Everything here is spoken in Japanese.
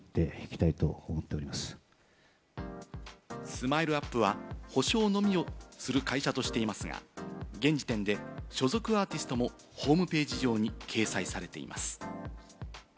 ＳＭＩＬＥ‐ＵＰ．は補償のみをする会社としていますが、現時点で所属アーティストもホームページ上に掲載されています。